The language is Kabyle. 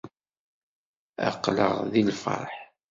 Aql-aɣ di lferḥ.